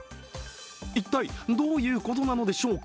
一体どういうことなのでしょうか。